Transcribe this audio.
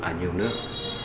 ở nhiều nước